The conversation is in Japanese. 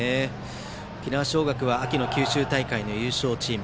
沖縄尚学は秋の九州大会の優勝チーム。